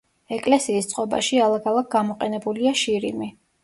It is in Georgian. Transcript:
ეკლესიის წყობაში ალაგ-ალაგ გამოყენებულია შირიმი.